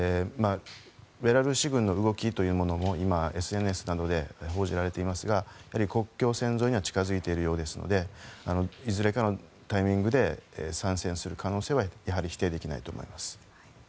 ベラルーシ軍の動きというのもＳＮＳなどで報じられていますがやはり国境線沿いに近づいているようですのでいずれかのタイミングで参戦する可能性は否定できないと思います。